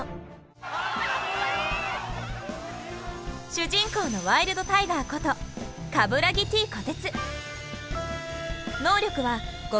主人公のワイルドタイガーこと鏑木・Ｔ・虎徹。